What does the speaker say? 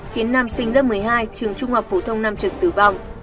khiến nam sinh lớp một mươi hai trường trung học phổ thông nam trường tử vong